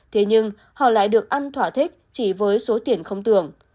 thế nhưng họ lại được ăn thỏa thích chỉ với số tiền không tưởng